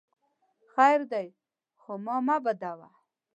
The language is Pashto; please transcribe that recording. خیر دی خوا مه بدوه !